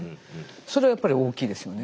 それはやっぱり大きいですよね。